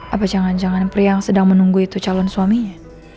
apa jangan jangan pria yang sedang menunggu itu calon suaminya